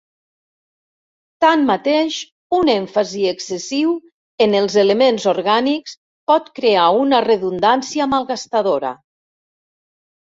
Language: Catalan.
Tanmateix, un èmfasi excessiu en els elements orgànics pot crear una redundància malgastadora.